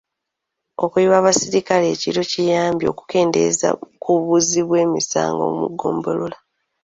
Okuyiwa abasirikale ekiro kiyambye okukendeeza ku buzzi bw'emisango mu ggombolola.